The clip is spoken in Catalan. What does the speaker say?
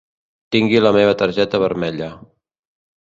Tingui la meva targeta vermella.